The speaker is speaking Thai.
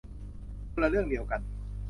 คนละเรื่องเดียวกัน